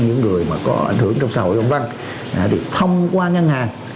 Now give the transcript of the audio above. những người mà có ảnh hưởng trong xã hội bằng văn thì thông qua ngân hàng